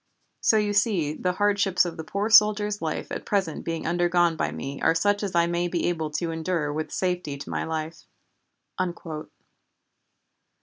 So you see the hardships of the poor soldier's life at present being undergone by me are such as I may be able to endure with safety to my life!"